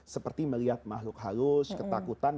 seperti melihat makhluk halus ketakutan